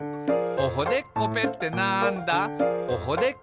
「おほでっこぺってなんだ？」